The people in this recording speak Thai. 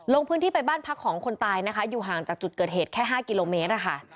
ลงพื้นที่ไปบ้านพักของคนตายนะคะอยู่ห่างจากจุดเกิดเหตุแค่๕กิโลเมตรนะคะ